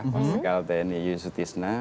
mas kel tni yuyusutisna